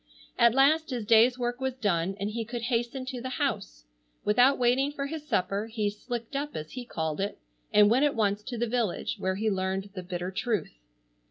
At last his day's work was done and he could hasten to the house. Without waiting for his supper, he "slicked up," as he called it, and went at once to the village, where he learned the bitter truth.